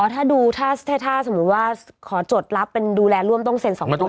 ถ้าดูถ้าสมมุติว่าขอจดรับเป็นดูแลร่วมต้องเซ็น๒ตัว